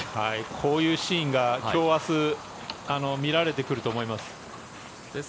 こういうシーンが今日、明日見られてくると思います。